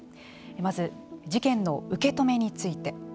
まず、事件の受け止めについて。